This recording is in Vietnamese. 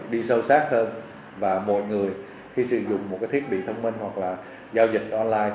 đi sâu sát hơn và mọi người khi sử dụng một cái thiết bị thông minh hoặc là giao dịch online